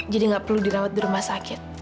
jadi enggak perlu dirawat di rumah sakit